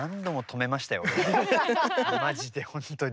マジで本当に。